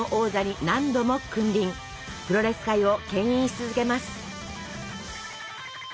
プロレス界をけん引し続けます。